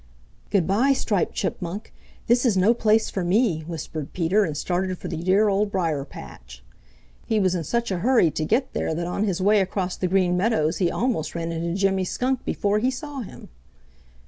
"Good by, Striped Chipmunk! This is no place for me," whispered Peter and started for the dear Old Briar patch. He was in such a hurry to get there that on his way across the Green Meadows he almost ran into Jimmy Skunk before he saw him.